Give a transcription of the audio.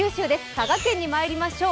佐賀県にまいりましょう。